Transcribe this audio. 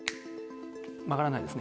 曲がらないですね